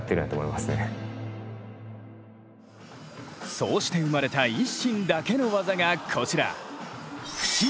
そうして生まれたＩＳＳＩＮだけの技がこちら。